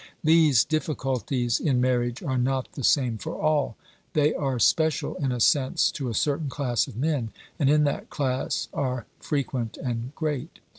These difficulties in marriage are not the same for all; they are special in a sense to a certain class of men, and in that class are frequent and great.